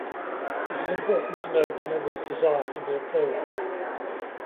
It is important to note Denevi's desire to be a playwright.